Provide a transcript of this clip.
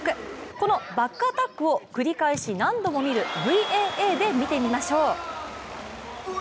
このバックアタックを繰り返し何度も見るＶＡＡで見てみましょう。